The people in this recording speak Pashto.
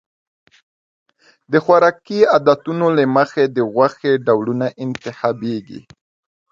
د خوراکي عادتونو له مخې د غوښې ډولونه انتخابېږي.